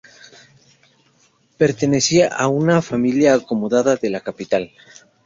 Pertenecía a una familia acomodada de la capital.